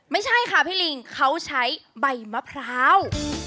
ไม่ใช่ค่ะพี่ลิงเขาใช้ใบมะพร้าว